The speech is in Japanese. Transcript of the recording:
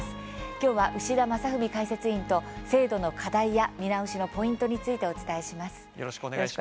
今日は牛田正史解説委員と制度の課題や見直しのポイントについて、お伝えします。